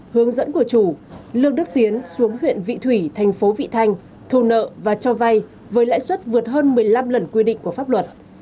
hướng dẫn của chủ lương đức tiến xuống huyện vị thủy thành phố vị thanh thu nợ và cho vay với lãi suất vượt hơn một mươi năm lần quy định của pháp luật